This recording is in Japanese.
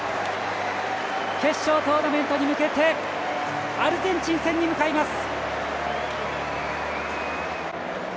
決勝トーナメントに向けてアルゼンチン戦に向かいます。